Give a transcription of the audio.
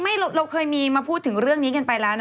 เราเคยมีมาพูดถึงเรื่องนี้กันไปแล้วนะ